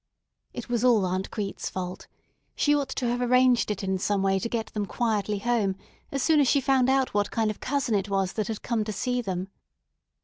It was all Aunt Crete's fault. She ought to have arranged it in some way to get them quietly home as soon as she found out what kind of cousin it was that had come to see them.